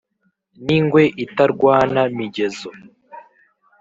n'ingwe itarwana migezo